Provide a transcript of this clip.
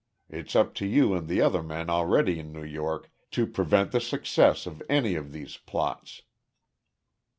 It's up to you and the other men already in New York to prevent the success of any of these plots."